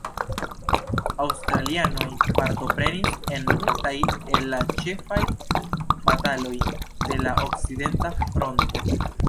Aŭstralianoj partoprenis en multaj el la ĉefaj bataloj de la Okcidenta Fronto.